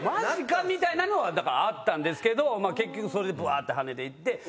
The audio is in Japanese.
みたいなのはあったんですけど結局それでブワって跳ねて。